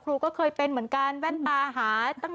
คุณครูจะเอาฮาเลยนะ